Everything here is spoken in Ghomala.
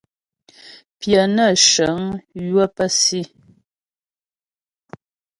Pyə nə́ shəŋ ywə pə́ si.